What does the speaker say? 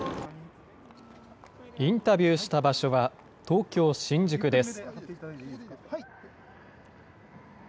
インタビューした場所は、東京・新宿です。